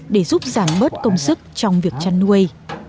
để giúp giảm bớt công sức trong việc chăn nuôi